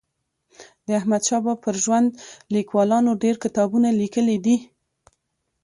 د احمدشاه بابا پر ژوند لیکوالانو ډېر کتابونه لیکلي دي.